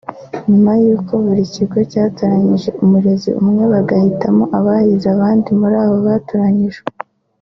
nyuma y’uko buri kigo cyatoranyije umurezi umwe bagahitamo abahize abandi muri abo batoranijwe